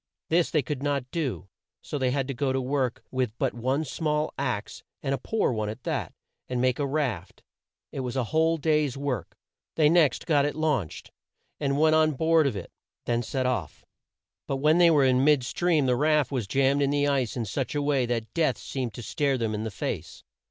This they could not do, so they had to go to work with but one small axe, and a poor one at that, and make a raft. It was a whole day's work. They next got it launched, and went on board of it; then set off. But when they were in mid stream the raft was jammed in the ice in such a way that death seemed to stare them in the face.